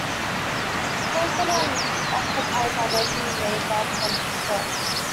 Clothes that are off-the-peg are ready-made rather than bespoke